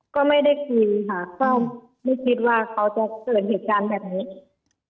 ก็ไม่ได้กินค่ะก็ไม่คิดว่าเขาจะเกิดเหตุการณ์แบบนี้อีก